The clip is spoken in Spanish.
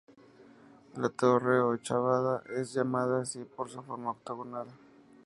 La torre Ochavada es llamada así por su forma octogonal.